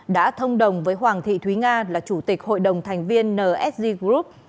đã thông đồng với hoàng thị thúy nga là chủ tịch hội đồng thành viên nsg group